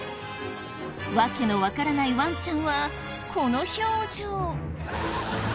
訳のわからないワンちゃんはこの表情。